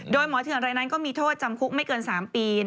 โดยหมอเถื่อนรายนั้นก็มีโทษจำคุกไม่เกิน๓ปี